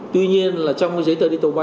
tuy nhiên là trong cái giấy tờ điện tử ba